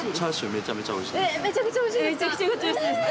めちゃくちゃおいしいんですか？